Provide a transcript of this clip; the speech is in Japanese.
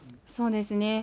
そうですね。